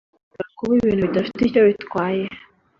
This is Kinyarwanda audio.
bishobora kuba ibintu bidafite icyo bitwaye